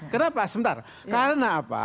kenapa sebentar karena apa